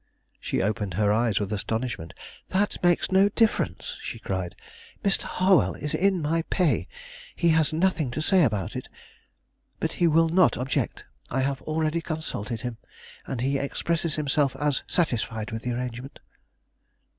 She opened her eyes with astonishment. "That makes no difference," she cried. "Mr. Harwell is in my pay, and has nothing to say about it. But he will not object. I have already consulted him, and he expresses himself as satisfied with the arrangement."